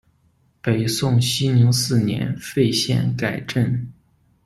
北宋熙宁四年废县改镇。